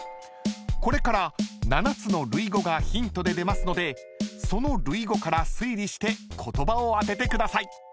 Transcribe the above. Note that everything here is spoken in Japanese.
［これから７つの類語がヒントで出ますのでその類語から推理して言葉を当ててください］